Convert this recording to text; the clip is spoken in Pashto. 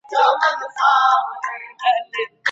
څه وخت دولتي شرکتونه بریښنايي توکي هیواد ته راوړي؟